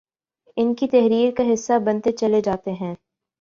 ان کی تحریر کا حصہ بنتے چلے جاتے ہیں